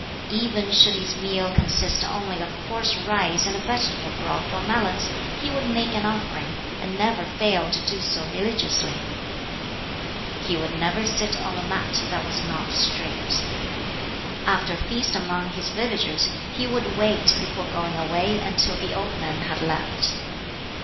Even should his meal consist only of coarse rice and vegetable broth or melons, he would make an offering, and never fail to do so religiously. He would never sit on a mat that was not straight. After a feast among his villagers, he would wait before going away until the old men had left.